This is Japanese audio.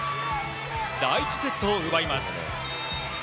第１セットを奪います。